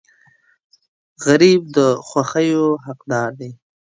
غریب د خوښیو حقدار دی